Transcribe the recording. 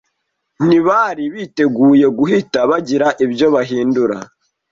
ntibari biteguye guhita bagira ibyo bahindura